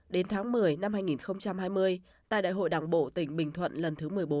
đến tháng một mươi năm hai nghìn hai mươi tại đại hội đảng bộ tỉnh bình thuận lần thứ một mươi bốn